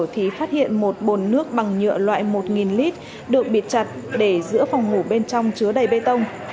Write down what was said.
thì phát hiện một bồn nước bằng nhựa loại một lít được bịt chặt để giữa phòng ngủ bên trong chứa đầy bê tông